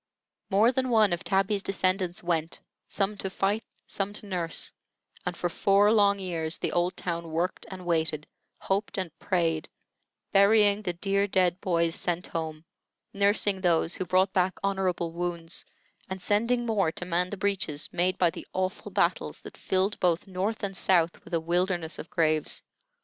More than one of Tabby's descendants went, some to fight, some to nurse; and for four long years the old town worked and waited, hoped and prayed, burying the dear dead boys sent home, nursing those who brought back honorable wounds, and sending more to man the breaches made by the awful battles that filled both North and South with a wilderness of graves.